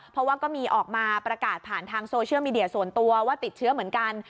เพราะว่าก็มีออกมาประกาศผ่านทางโซเชียลมีเดียส่วนตัวว่าติดเชื้อเหมือนกัน